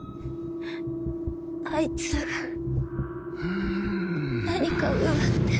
あいつらが何かを奪って。